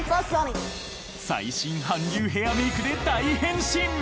［最新韓流ヘアメークで大変身］